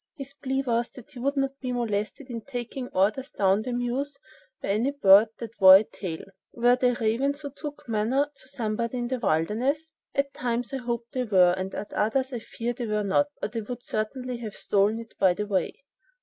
His plea was that he would not be molested in taking orders down the mews by any bird that wore a tail. Were they ravens who took manna to somebody in the wilderness? At times I hope they were, and at others I fear they were not, or they would certainly have stolen it by the way.